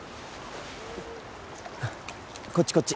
うんこっちこっち。